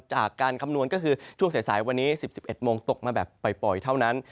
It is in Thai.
คำนวณก็คือช่วงสายวันนี้๑๑โมงตกมาแบบปล่อยเท่านั้น